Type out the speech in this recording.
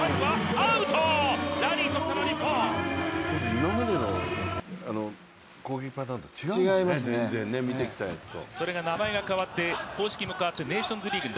今までの攻撃パターンと違うもんね、見てきたやつと。